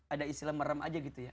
ada istilah merem aja gitu ya